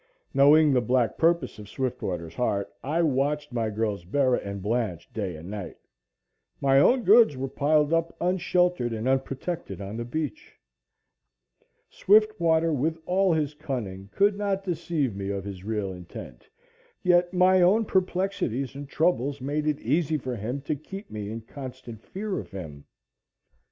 Knowing the black purpose in Swiftwater's heart, I watched my girls Bera and Blanche day and night. My own goods were piled up unsheltered and unprotected on the beach. Swiftwater, with all his cunning, could not deceive me of his real intent, yet my own perplexities and troubles made it easy for him to keep me in constant fear of him.